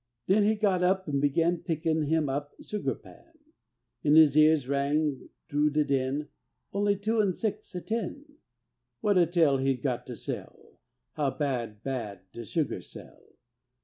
Then he got up an' began Pickin' up him sugar pan: In his ears rang t'rough de din "Only two an' six a tin'." What a tale he'd got to tell, How bad, bad de sugar sell!